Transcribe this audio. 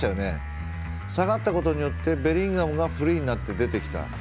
下がったことによってベリンガムがフリーになって出てきた。